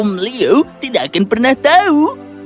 um leu tidak akan pernah tahu